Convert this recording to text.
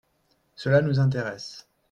Cela nous intéresse